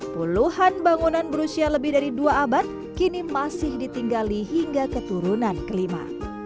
puluhan bangunan berusia lebih dari dua abad kini masih ditinggali hingga keturunan kelima